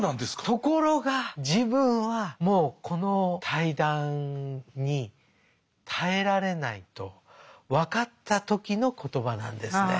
ところが自分はもうこの対談に耐えられないと分かった時の言葉なんですね。